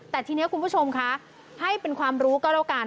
แต่ทีนี้คุณผู้ชมคะให้เป็นความรู้ก็แล้วกัน